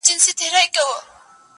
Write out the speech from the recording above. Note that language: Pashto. راځه جهاني جوړ سو د پردېسو اوښکو کلی-